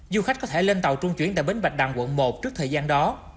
du khách có thể lên tàu trung chuyển tại bến bạch đằng quận một trước thời gian đó